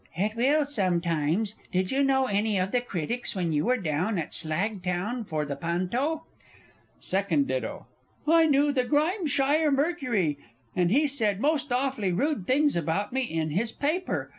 It will sometimes. Did you know any of the critics when you were down at Slagtown for the Panto? SECOND DITTO. I knew the Grimeshire Mercury, and he said most awfully rude things about me in his paper.